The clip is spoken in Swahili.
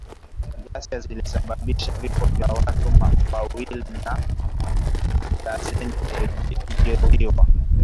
Ghasia zilisababisha vifo vya watu wawili na darzeni kujeruhiwa